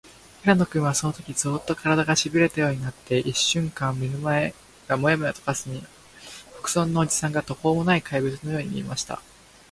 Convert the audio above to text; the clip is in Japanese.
平野君は、そのとき、ゾーッと、からだが、しびれたようになって、いっしゅんかん目の前がモヤモヤとかすみ、北村のおじさんが、とほうもない怪物のように見えました。